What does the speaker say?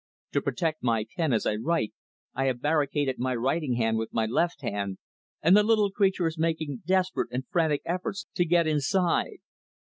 To protect my pen as I write I have barricaded my writing hand with my left hand and the little creature is making desperate and frantic efforts to get inside.